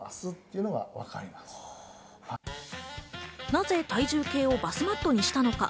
なぜ体重計をバスマットにしたのか？